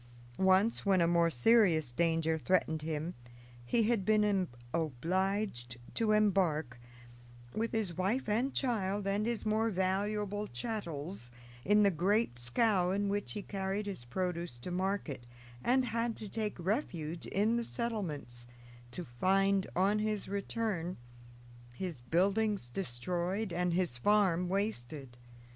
Once, when a more serious danger threatened him, he had been obliged to embark, with his wife and child and his more valuable chattels, in the great scow in which he carried his produce to market, and had to take refuge in the settlements, to find, on his return, his buildings destroyed and his farm wasted.